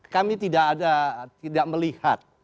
kami tidak ada tidak melihat